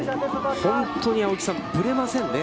本当に青木さん、ぶれませんね。